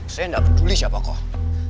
saya tidak peduli siapa kok